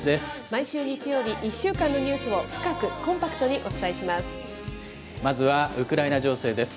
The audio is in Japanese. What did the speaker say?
毎週日曜日、１週間のニュースを深くコンパクトにお伝えします。